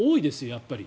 やっぱり。